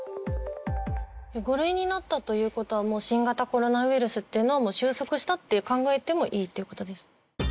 ５類になったという事はもう新型コロナウイルスっていうのは収束したって考えてもいいって事ですか？